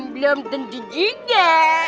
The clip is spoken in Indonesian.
belum tentu juga